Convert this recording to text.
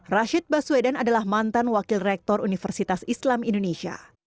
rashid baswedan adalah mantan wakil rektor universitas islam indonesia